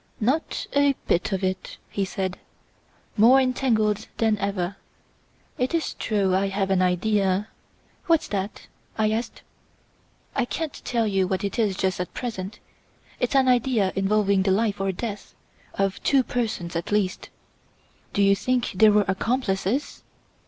"Not a bit of it!" he said, "more entangled than ever! It's true, I have an idea " "What's that?" I asked. "I can't tell you what it is just at present it's an idea involving the life or death of two persons at least." "Do you think there were accomplices?"